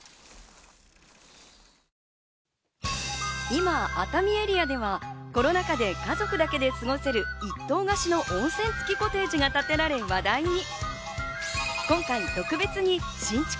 今、熱海エリアではコロナ禍で家族だけで過ごせる１棟貸しの温泉付きコテージが建てられ話題に。